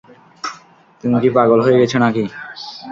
তুমি কী পাগল হয়ে গেছো না-কি?